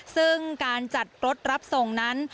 ซึ่งการจัดรถรับส่งนั้น